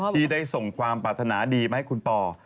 ที่ได้ส่งความปรารถนาดีมาให้คุณปอ